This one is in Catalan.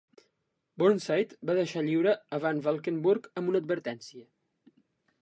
Burnside va deixar lliure a VanValkenburgh amb una advertència